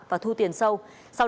và thu tiền sâu